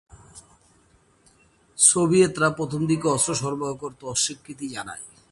সোভিয়েতরা প্রথমদিকে অস্ত্র সরবরাহ করতে অস্বীকৃতি জানায়।